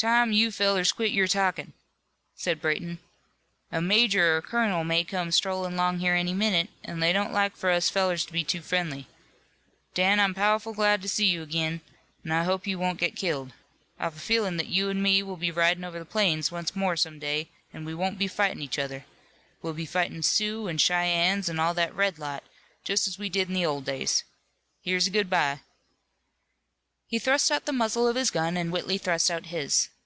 "Time you fellers quit your talkin'," said Brayton, "a major or a colonel may come strollin' 'long here any minute, an' they don't like for us fellers to be too friendly. Dan, I'm powerful glad to see you ag'in, an' I hope you won't get killed. I've a feelin' that you an' me will be ridin' over the plains once more some day, an' we won't be fightin' each other. We'll be fightin' Sioux an' Cheyennes an' all that red lot, just as we did in the old days. Here's a good bye." He thrust out the muzzle of his gun, an' Whitley thrust out his.